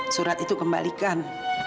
surat itu kembalikan